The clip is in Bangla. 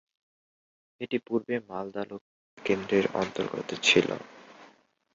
এটি পূর্বে মালদা লোকসভা কেন্দ্রের অন্তর্গত ছিল।